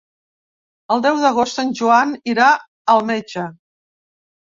El deu d'agost en Joan irà al metge.